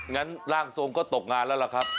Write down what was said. งั้นร่างทรงก็ตกงานแล้วล่ะครับ